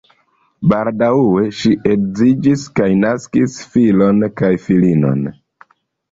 Baldaŭe ŝi edziniĝis kaj naskis filon kaj filinon.